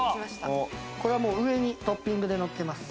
これはもう上にトッピングでのっけます。